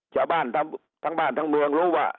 ชาวบ้านทั้งบ้านทั้งเมืองรู้ว่า